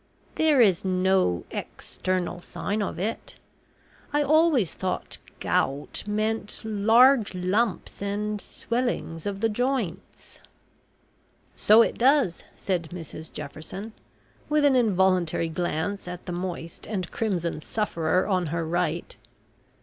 "There is no external sign of it. I always thought gout meant large lumps, and swellings of the joints." "So it does," said Mrs Jefferson, with an involuntary glance at the moist and crimson sufferer on her right.